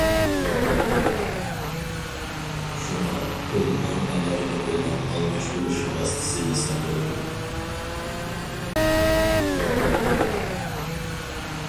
شۇڭا پۇل ئەڭ ئالاھىدە بولغان ئالماشتۇرۇش ۋاسىتىسى ھېسابلىنىدۇ.